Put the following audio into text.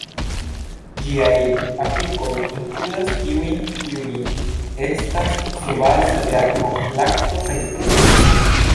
Ĝiaj aplikoj inkludas tiujn kiuj estas surbaze de akvo, lakto kaj frukto-suko.